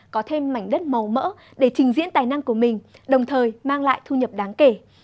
có thêm mảnh đất màu mỡ để trình diễn tài năng của mình đồng thời mang lại thu nhập đáng kể